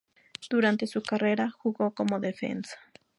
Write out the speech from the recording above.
Durante su carrera jugó como defensa.